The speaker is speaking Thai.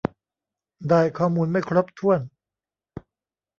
ได้ข้อมูลไม่ครบถ้วน